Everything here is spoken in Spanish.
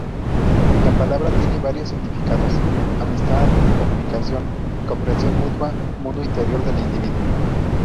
La palabra tiene varios significados: amistad, comunicación, comprensión mutua, mundo interior del individuo.